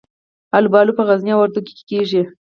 الوبالو په غزني او وردګو کې کیږي.